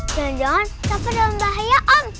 jangan jangan takut dalam bahaya om